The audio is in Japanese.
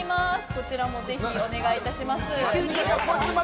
こちらもぜひ、お願いします。